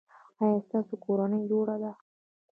ایا ستاسو کورنۍ جوړه ده؟